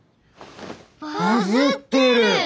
バズってる！